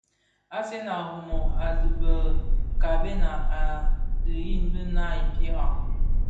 Asen a Rimoh a dhi kaňbèna a dhiaèn bi naa i mpiera.